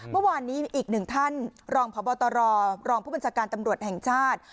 เมื่อวานนี้อีกหนึ่งท่านรองพบตรรองผู้บัญชาการตำรวจแห่งชาติ